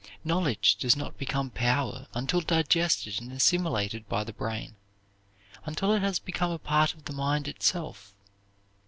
Knowledge does not become power until digested and assimilated by the brain, until it has become a part of the mind itself.